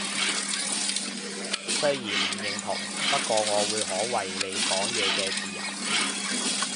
雖然唔認同，不過我會捍衛你講嘢嘅自由